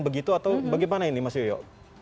begitu atau bagaimana ini mas yoyo